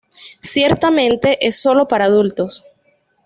Ciertamente es solo para adultos.